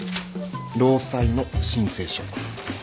労災の申請書。